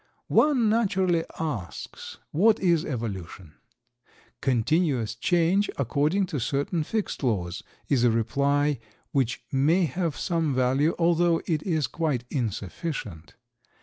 One naturally asks: "What is Evolution?" "Continuous change according to certain fixed laws," is a reply which may have some value, although it is quite insufficient.